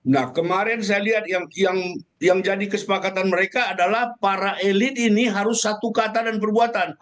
nah kemarin saya lihat yang jadi kesepakatan mereka adalah para elit ini harus satu kata dan perbuatan